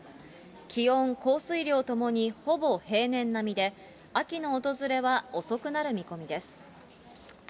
気温、降水量ともにほぼ平年並みで、秋の訪れは遅くなる見込みです。